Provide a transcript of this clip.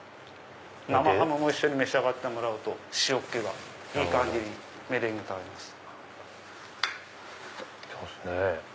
生ハムも一緒に召し上がってもらうと塩気がいい感じにメレンゲと合います。